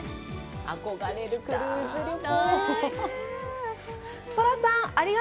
憧れるクルーズ旅行。